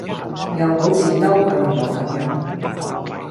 又好似嬲佢唔落咁樣